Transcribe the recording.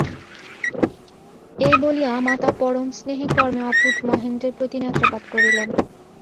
এই বলিয়া মাতা পরমস্নেহে কর্মে অপটু মহেন্দ্রের প্রতি নেত্রপাত করিলেন।